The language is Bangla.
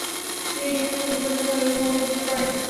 তিনি সিংহাসনের উপর বসিয়া ভাল এবং মন্দের বিচার করেন না।